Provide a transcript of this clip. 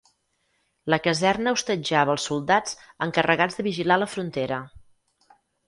La caserna hostatjava els soldats encarregats de vigilar la frontera.